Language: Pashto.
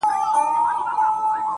قريسي به ستا د غونډې زنې خال سي~